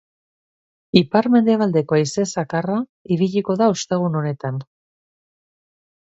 Ipar-mendebaldeko haize zakarra ibiliko da ostegun honetan.